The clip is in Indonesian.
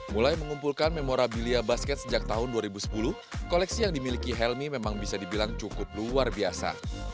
mulai mengumpulkan memorabilia basket sejak tahun dua ribu sepuluh koleksi yang dimiliki helmy memang bisa dibilang cukup luar biasa